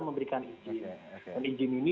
memberikan izin dan izin ini